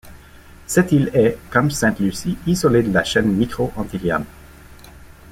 Cette île est, comme Sainte-Lucie, isolée de la chaîne micro-antiliane.